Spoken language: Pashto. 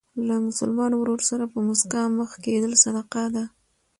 له مسلمان ورور سره په مسکا مخ کېدل صدقه ده.